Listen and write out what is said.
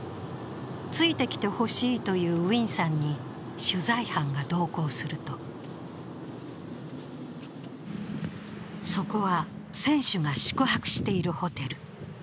ついてきてほしいというウィンさんに取材班が同行すると、そこは選手が宿泊しているホテル。